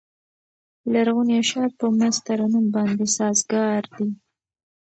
لرغوني اشعار په مست ترنم باندې سازګار دي.